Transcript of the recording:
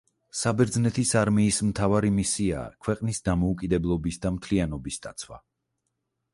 საბერძნეთის არმიის მთავარი მისიაა ქვეყნის დამოუკიდებლობის და მთლიანობის დაცვა.